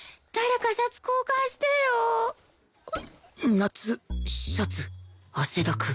夏シャツ汗だく